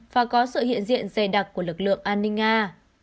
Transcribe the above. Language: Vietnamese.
và có sự hiện diện dày đặc của lực lượng an ninh nga